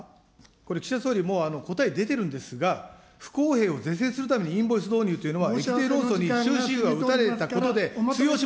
これ、岸田総理、もう、答え出てるんですが、不公平を是正するためにインボイス制度が導入されるというのは、益税論争に終止符が打たれたことで、おまとめください。